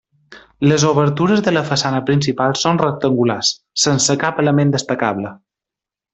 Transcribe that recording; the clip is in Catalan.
Les obertures de la façana principal són rectangulars, sense cap element destacable.